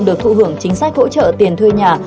được thụ hưởng chính sách hỗ trợ tiền thuê nhà